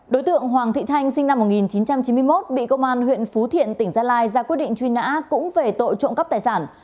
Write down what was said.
đối tượng hoàng thị thanh sinh năm một nghìn chín trăm chín mươi một bị công an huyện phú thiện tỉnh gia lai ra quyết định truy nã cũng về tội trộm cắp tài sản